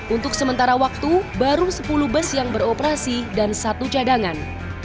untuk sementara waktu baru sepuluh bus yang beroperasi dan satu cadangan